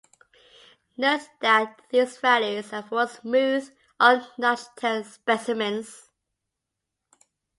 Note that these values are for smooth "un-notched" test specimens.